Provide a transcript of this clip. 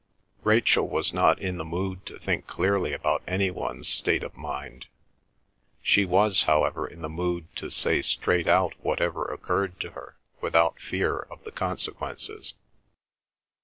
Rachel was not in the mood to think clearly about any one's state of mind. She was however in the mood to say straight out whatever occurred to her without fear of the consequences.